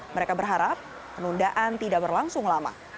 mereka berharap penundaan tidak berlangsung lama